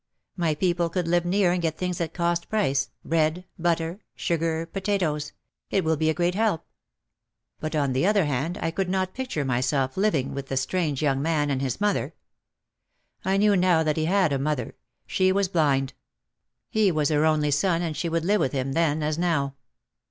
"My people could live near and get things at cost price, bread, butter, sugar, potatoes. It will be a great help." But on the other hand I could not picture myself living with the strange young man and his mother. I knew now that he had a mother ; she was blind. He was her only son and she would live with him then as now.